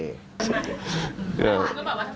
แบบว่าทำไมไม่มีรูปคู่ไปหว่านเลย